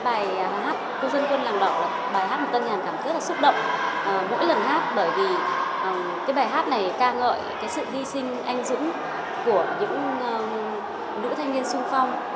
bài hát cô dân quân làm đỏ là bài hát mà tân nhàn cảm thấy rất là xúc động mỗi lần hát bởi vì bài hát này ca ngợi sự hy sinh anh dũng của những nữ thanh niên sung phong